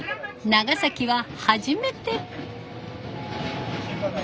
長崎は初めて。